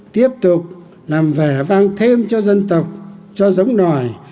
tiếp tục làm vẻ vang thêm cho dân tộc cho giống nòi